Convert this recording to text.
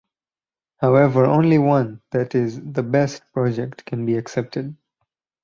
However, only one, that is, the best, project can be accepted.